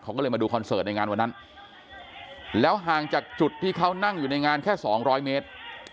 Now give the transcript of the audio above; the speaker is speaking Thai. เขาก็เลยมาดูคอนเสิร์ตในงานวันนั้นแล้วห่างจากจุดที่เขานั่งอยู่ในงานแค่สองร้อยเมตร